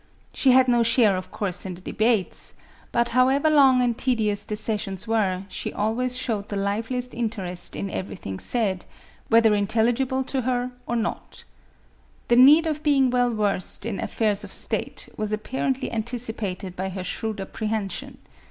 She had no share, of course, in the debates, but, however long and tedious the sessions were, she always showed the liveliest interest in everything said, whether intelligible to her or not The need of being well versed in affairs of state, was apparently anticipated by her shrewd ap prehension.